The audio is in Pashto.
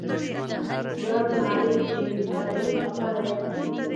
تورن نارې کړې پادري خفه دی.